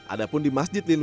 ada pun di masjid lindungi